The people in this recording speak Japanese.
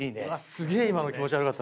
すげえ今の気持ち悪かった。